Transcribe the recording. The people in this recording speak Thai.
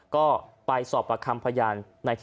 ก็ไปสอบความพยาน